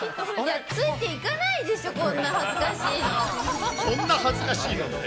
ついていかないでしょ、こんな恥ずかしいのって。